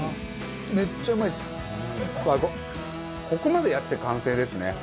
ここまでやって完成ですね。